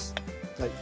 はい。